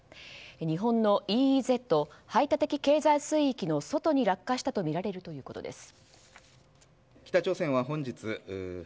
日本のＥＥＺ・排他的経済水域の外に落下したとみられるということです。